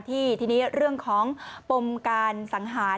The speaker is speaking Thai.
ที่ทีนี้เรื่องของปมการสังหาร